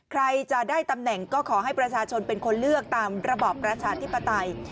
ใครจะได้ตำแหน่งก็ขอให้ประชาชนเป็นคนเลือกตามระบอบประชาธิปไตย